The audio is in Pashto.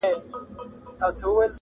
تر ملكونو تر ښارونو رسيدلي!!